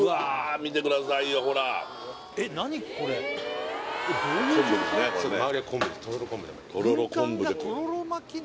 見てくださいよほら昆布だね